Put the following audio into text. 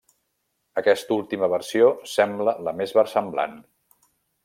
Aquesta última versió sembla la més versemblant.